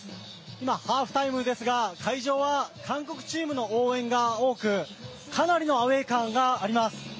今、ハーフタイムですが会場は韓国チームの応援が多くかなりのアウェー感があります。